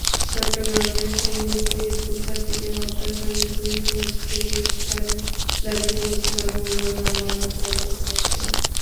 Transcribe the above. চট্টগ্রামের সন্দ্বীপে স্কুলছাত্রীকে হত্যার সঙ্গে জড়িত ব্যক্তিদের গ্রেপ্তারের দাবিতে গতকাল মঙ্গলবার মানববন্ধন হয়েছে।